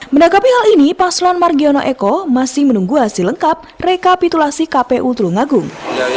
menanggapi hal ini paslon margiono eko masih menunggu hasil lengkap rekapitulasi kpu tulungagung